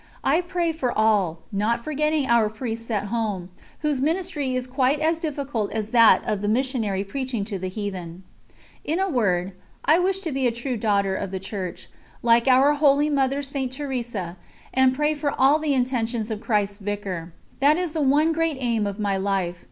I pray for all, not forgetting our Priests at home, whose ministry is quite as difficult as that of the missionary preaching to the heathen. ... In a word, I wish to be a true daughter of the Church, like our holy Mother St. Teresa, and pray for all the intentions of Christ's Vicar. That is the one great aim of my life.